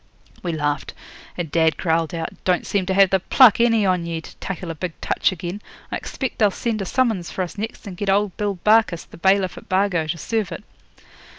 We laughed, and dad growled out 'Don't seem to have the pluck, any on ye, to tackle a big touch again. I expect they'll send a summons for us next, and get old Bill Barkis, the bailiff at Bargo, to serve it.'